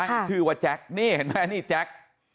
ตั้งคือว่าแจ็คนี่เห็นไหมนี่แจ็ค